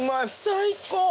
最高。